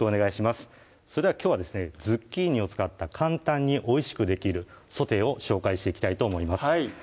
それではきょうはですねズッキーニを使った簡単においしくできるソテーを紹介していきたいと思います